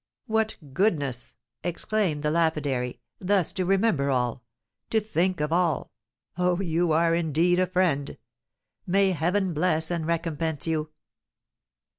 "What goodness," exclaimed the lapidary, "thus to remember all, to think of all! Oh, you are indeed a friend! May Heaven bless and recompense you!"